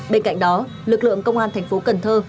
bên cạnh đó lực lượng công an thành phố cần thơ